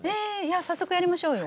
早速やりましょうよ。